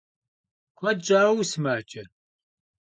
Kued ş'aue vusımace?